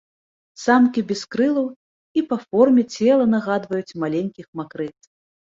Самкі без крылаў і па форме цела нагадваюць маленькіх макрыц.